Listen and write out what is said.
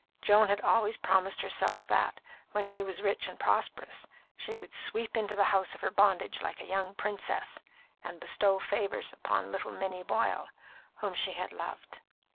Joan had always promised herself that, when she was rich and prosperous, she would sweep into the house of her bondage like a young princess, and bestow favours upon little Minnie Boyle, whom she had loved.